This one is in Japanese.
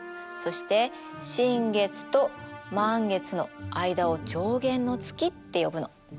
そして新月と満月の間を上弦の月って呼ぶの。